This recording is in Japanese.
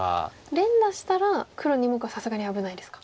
連打したら黒２目はさすがに危ないですか。